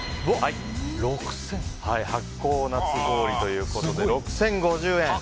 発酵夏氷ということで６０５０円。